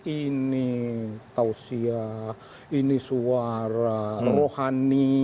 ini tausiah ini suara rohani